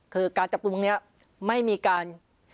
คือการจบกว่าบังเนี้ยไม่มีการ